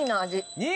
２位！